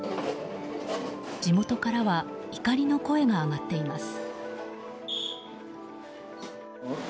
地元からは怒りの声が上がっています。